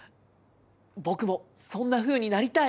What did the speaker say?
僕もそんなふうになりたい！